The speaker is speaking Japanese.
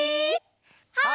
はい！